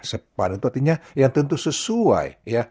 sepadan itu artinya yang tentu sesuai ya